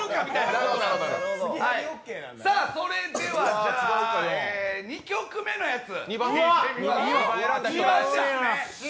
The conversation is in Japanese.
それじゃ、２曲目のやつ。